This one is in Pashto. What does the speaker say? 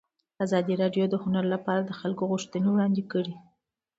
ازادي راډیو د هنر لپاره د خلکو غوښتنې وړاندې کړي.